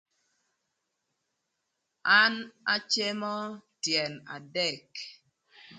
An acemo tyën adek.